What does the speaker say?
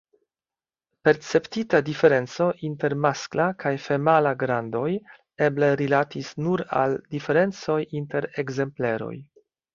Perceptita diferenco inter maskla kaj femala grandoj eble rilatis nur al diferencoj inter ekzempleroj.